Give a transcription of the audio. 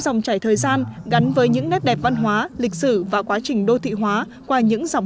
dòng trải thời gian gắn với những nét đẹp văn hóa lịch sử và quá trình đô thị hóa qua những dòng